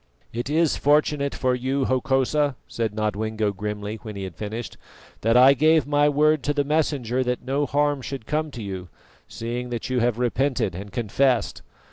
"It is fortunate for you, Hokosa," said Nodwengo grimly when he had finished, "that I gave my word to the Messenger that no harm should come to you, seeing that you have repented and confessed.